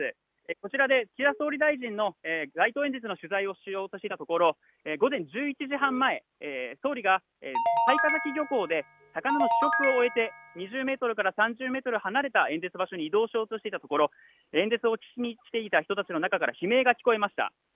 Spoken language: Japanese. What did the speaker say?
こちらで岸田総理大臣の街頭演説の取材をしようとしていたところ、午前１１時半前、総理が雑賀崎漁港で魚の試食を終えて２０メートルから３０メートル離れた演説場所に移動しようとしていたところ演説を聞きに来ていた人たちの中から悲鳴が聞こえました。